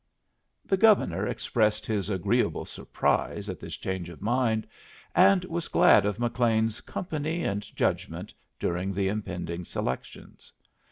The Governor expressed his agreeable surprise at this change of mind, and was glad of McLean's company and judgment during the impending selections.